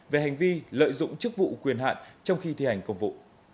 về hành vi lợi dụng chức vụ quyền hạn trong khi thi hành công vụ